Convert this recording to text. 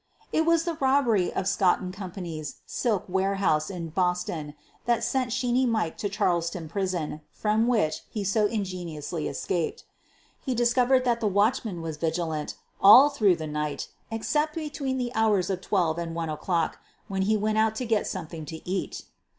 It was the robbery of Scott & Co.'s silk ware house in Boston that sent "Sheeney Mike" to Charlestown Prison, from which he so ingeniously escaped. He discovered that the watchman was vigilant all through the night except between the hours of 12 and 1 o'clock, when he went out to get something to eat.